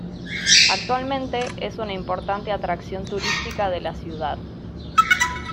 Actualmente es una importante atracción turística de la ciudad.